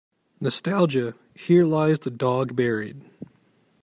nostalgia Here lies the dog buried